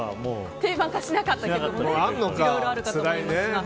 定番化しなかった曲もいろいろあるかと思いますが。